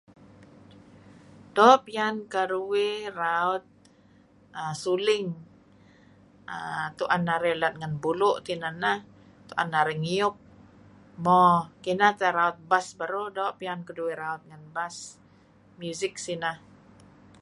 Doo' piyan karuih raut suling. err Tu'en narih let ngan bulu' tinah neh. 'an narih ngiyup. Mo. Kinah teh raut bass beruh doo' piyan keruih raut bass music sineh.